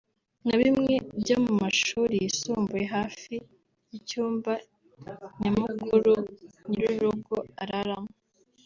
nka bimwe byo mu mashuri yisumbuye hafi y’icyumba nyamukuru nyir’urugo araramo